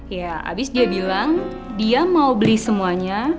ya abis dia bilang dia mau beli semuanya